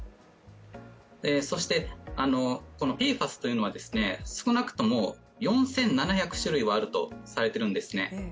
そして、このＰＦＡＳというのは少なくとも４７００種類はあるとされてるんですね